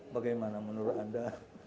bagaimana menurut anda